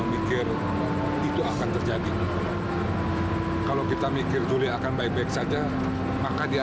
sampai jumpa di video selanjutnya